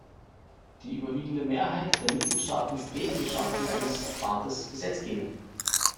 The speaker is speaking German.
Die überwiegende Mehrheit der Mitgliedstaaten ist gegen die Schaffung eines Rates "Gesetzgebung".